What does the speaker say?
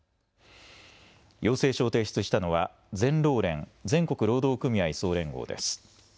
要請書を提出したのは全労連・全国労働組合総連合です。